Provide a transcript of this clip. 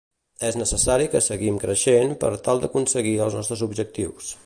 És necessari que seguim creixent per tal d'aconseguir els nostres objectius.